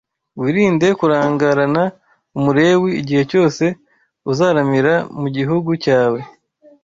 Wirinde kurangarana Umulewi, igihe cyose uzaramira mu gihugu cyawe.